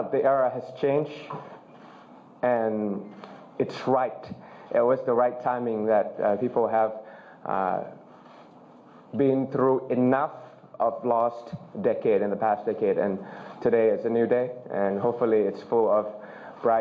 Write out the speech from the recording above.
เป็นอย่างสำคัญในความหวังสิ่งที่ทำให้คุณก็สามารถปฏิเสธกองกันหรือเปลี่ยนสิ่งที่ล่อเชื่อ